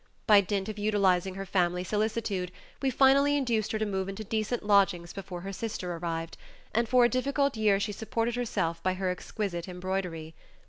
By dint of utilizing her family solicitude, we finally induced her to move into decent lodgings before her sister arrived, and for a difficult year she supported herself by her exquisite embroidery.